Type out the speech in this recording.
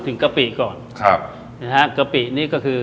สปาเกตตี้ปลาทู